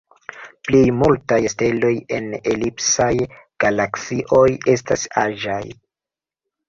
Plej multaj steloj en elipsaj galaksioj estas aĝaj.